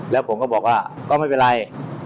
แล้วผมก็บอกว่าก็ไม่เป็นไร